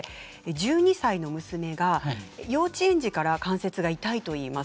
１２歳の娘が幼稚園児から関節が痛いといいます。